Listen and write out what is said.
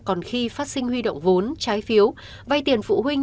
còn khi phát sinh huy động vốn trái phiếu vay tiền phụ huynh